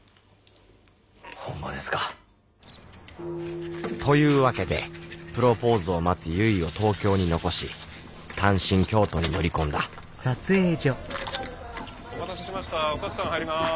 ホンマですか？というわけでプロポーズを待つ結を東京に残し単身京都に乗り込んだお待たせしましたおサチさん入ります。